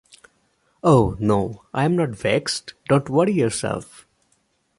Oh, no, I’m not vexed — don’t worry yourself.